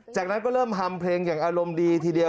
จากนั้นก็เริ่มทำเพลงอย่างอารมณ์ดีทีเดียว